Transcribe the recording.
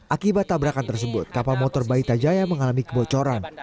akibat tabrakan tersebut kapal motor baita jaya mengalami kebocoran